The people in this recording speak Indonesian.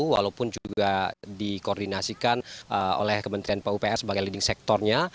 walaupun juga dikoordinasikan oleh kementerian pupr sebagai leading sectornya